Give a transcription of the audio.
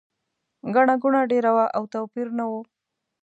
ګڼه ګوڼه ډېره وه او توپیر نه و.